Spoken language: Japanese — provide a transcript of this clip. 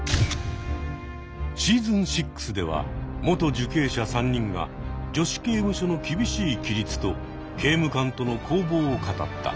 シーズン６では元受刑者３人が女子刑務所の厳しい規律と刑務官との攻防を語った。